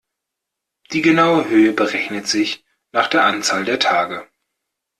Die genaue Höhe berechnet sich nach der Anzahl der Tage.